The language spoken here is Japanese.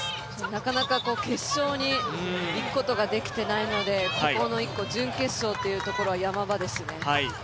なかなか決勝にいくことができていないのでここの準決勝というところは山場ですね。